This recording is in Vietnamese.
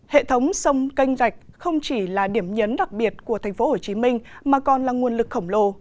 hệ thống sông canh rạch không chỉ là điểm nhấn đặc biệt của tp hcm mà còn là nguồn lực khổng lồ